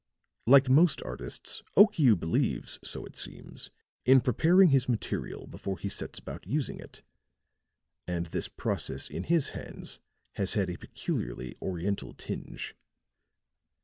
Like most artists, Okiu believes, so it seems, in preparing his material before he sets about using it; and this process in his hands has had a peculiarly Oriental tinge.